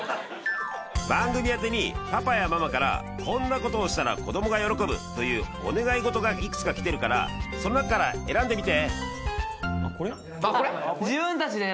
番組宛てにパパやママからこんなことをしたら子供が喜ぶというお願い事がいくつか来てるからその中から選んでみて！